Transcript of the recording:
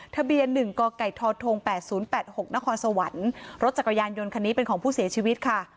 ทะเบียน๑กท๘๐๘๖นศรถจักรยานยนต์คนนี้เป็นของผู้เสียชีวิตค่ะ